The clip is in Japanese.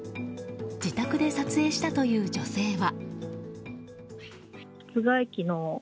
自宅で撮影したという女性は。